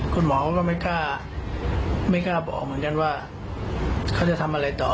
คุณหมอก็ไม่กล้าไม่กล้าบอกเหมือนกันว่าเขาจะทำอะไรต่อ